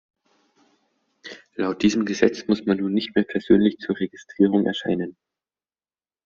Laut diesem Gesetz muss man nun nicht mehr persönlich zur Registrierung erscheinen.